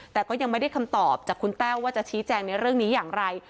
แต่ก็ยังไม่ได้คำตอบจากคุณแต้วว่าจะชี้แจงในเรื่องนี้อย่างไร